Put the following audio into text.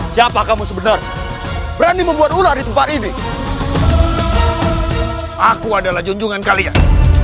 siapa kamu sebenarnya berani membuat ular di tempat ini aku adalah junjungan kalian